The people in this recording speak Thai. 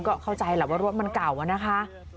ก็เข้าใจแหละว่ารถมันเก่าอะนะคะ